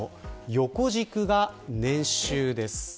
横軸が年収です。